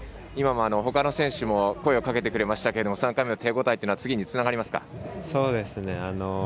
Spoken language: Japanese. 今も、ほかの選手も声をかけてくれましたけども３回目手応えというのは次につながりますか？